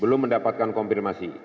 belum mendapatkan konfirmasi